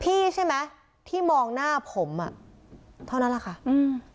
ใช่ไหมที่มองหน้าผมอ่ะเท่านั้นแหละค่ะอืม